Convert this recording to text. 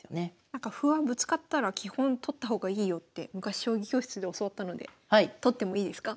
歩はぶつかったら基本取った方がいいよって昔将棋教室で教わったので取ってもいいですか？